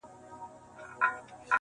ځکه لا هم پاته څو تڼۍ پر ګرېوانه لرم,